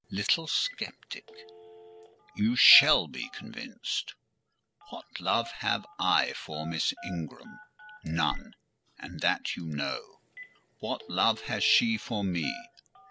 "Little sceptic, you shall be convinced. What love have I for Miss Ingram? None: and that you know. What love has she for me?